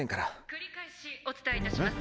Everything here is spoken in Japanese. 「繰り返しお伝えいたします」。